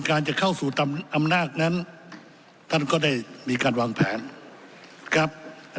จะเข้าสู่ตำอำนาจนั้นท่านก็ได้มีการวางแผนครับ